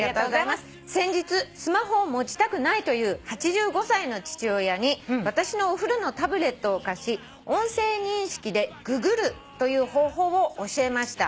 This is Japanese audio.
「先日スマホを持ちたくないという８５歳の父親に私のお古のタブレットを貸し音声認識でググるという方法を教えました」